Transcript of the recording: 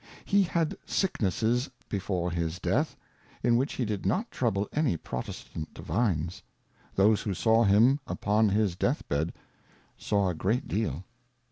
HeTiad Sicknesses before his Death, in which he did not trouble any Protestant Divines ; those who saw him upon his Death bed, saw a great deal.